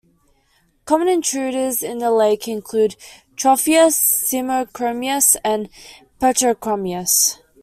Common intruders in the lake include "Tropheus", "Simochromis", and "Petrochromis".